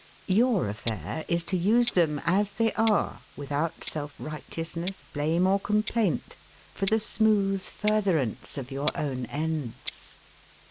Your affair is to use them, as they are, without self righteousness, blame, or complaint, for the smooth furtherance of your own ends.